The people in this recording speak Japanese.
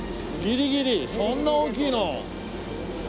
ギリギリそんな大きいの。